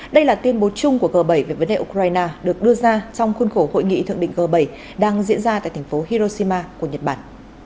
đây là tuyên bố chung của g bảy về vấn đề ukraine được đưa ra trong khuôn khổ hội nghị thượng đỉnh g bảy đang diễn ra tại thành phố hiroshima của nhật bản